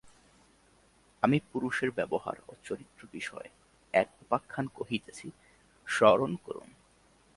আমি পুরুষের ব্যবহার ও চরিত্র বিষয়ে এক উপাখ্যান কহিতেছি শ্ররণ করুন।